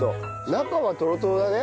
中はトロトロだね。